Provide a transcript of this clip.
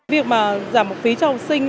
việc mà giảm học phí cho học sinh